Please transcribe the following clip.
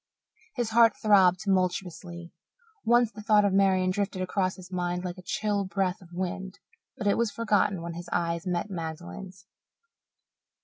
His heart throbbed tumultuously. Once the thought of Marian drifted across his mind like a chill breath of wind, but it was forgotten when his eyes met Magdalen's.